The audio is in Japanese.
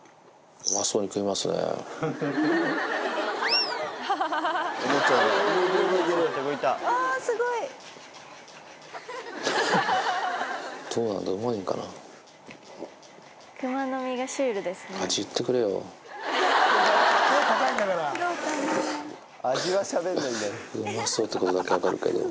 うまそうってことだけは分かるけど。